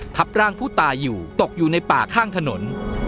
ทับร่างผู้ตายอยู่ตกอยู่ในป่าข้างถนน